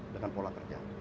dengan pola kerja